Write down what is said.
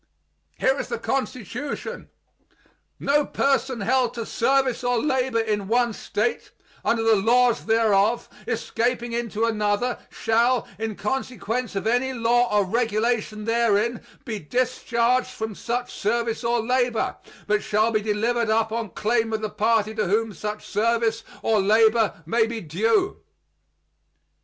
Here is the Constitution: "No person held to service or labor in one State, under the laws thereof, escaping into another, shall, in consequence of any law or regulation therein, be discharged from such service or labor, but shall be delivered up on claim of the party to whom such service or labor may be due."